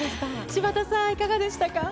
柴田さん、いかがでした？